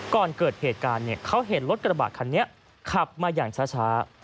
ก่อนเกิดเหตุการณ์เขาเห็นรถกระบะคันนี้ขับมาอย่างช้า